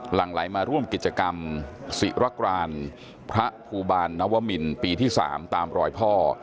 หลังไหลมาร่วมกิจกรรมศิรกรานพระภูบาลนวมินปีที่๓ตามรอยพ่อ